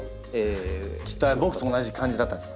きっと僕と同じ感じだったんですよ。